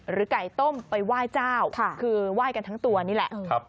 ไก่ต้มไปไหว้เจ้าคือไหว้กันทั้งตัวนี่แหละ